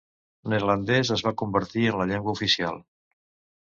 Neerlandès es va convertir en la llengua oficial.